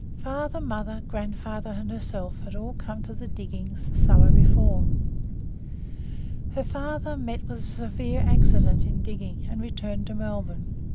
Father, mother, grandfather, and herself had all come to the diggings the summer before. Her father met with a severe accident in digging, and returned to Melbourne.